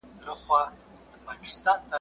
هغه هرڅه د دې زرکي برکت وو ,